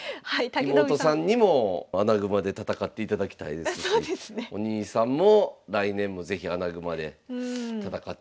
妹さんにも穴熊で戦っていただきたいですしお兄さんも来年も是非穴熊で戦っていただきたいと。